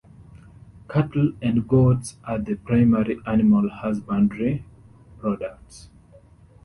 Cattle and goats are the primary animal husbandry products.